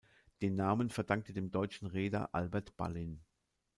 Den Namen verdankt er dem deutschen Reeder Albert Ballin.